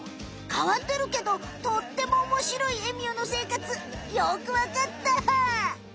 かわってるけどとってもおもしろいエミューのせいかつよくわかった！